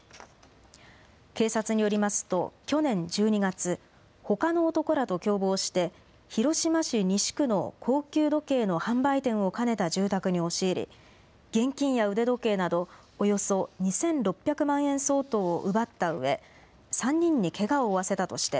警察によりますと去年１２月ほかの男らと共謀して広島市西区の高級時計の販売店を兼ねた住宅に押し入り現金や腕時計などおよそ２６００万円相当を奪ったうえ、３人にけがを負わせたとして